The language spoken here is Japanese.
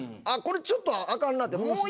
ちょっとあかんなと。